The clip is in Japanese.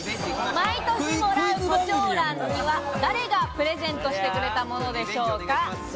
毎年もらう胡蝶蘭は誰がプレゼントしてくれたものでしょうか？